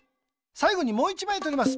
さいごにもう１まいとります。